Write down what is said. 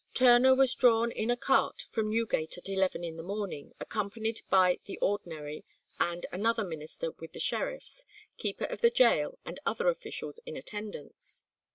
Turner was drawn in a cart from Newgate at eleven in the morning, accompanied by the ordinary and another minister with the sheriffs, keeper of the gaol, and other officials in attendance.